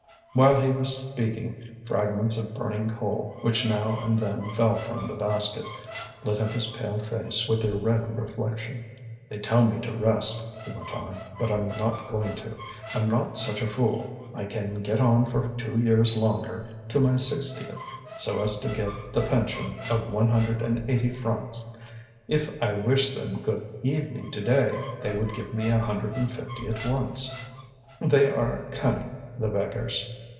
While he was speaking, fragments of burning coal, which now and then fell from the basket, lit up his pale face with their red reflection. "They tell me to rest," he went on, "but I'm not going to; I'm not such a fool. I can get on for two years longer, to my sixtieth, so as to get the pension of one hundred and eighty francs. If I wished them good evening to day they would give me a hundred and fifty at once. They are cunning, the beggars.